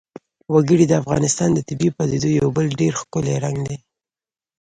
وګړي د افغانستان د طبیعي پدیدو یو بل ډېر ښکلی رنګ دی.